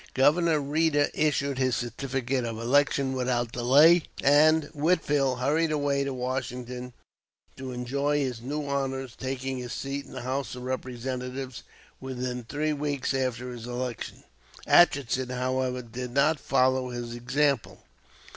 Governor Reeder issued his certificate of election without delay, and Whitfield hurried away to Washington to enjoy his new honors, taking his seat in the House of Representatives within three weeks after his election. Atchison, however, did not follow his example.